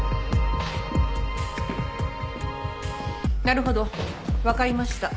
なるほど分かりました。